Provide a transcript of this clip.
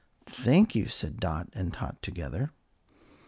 "Thank you," said Dot and Tot together.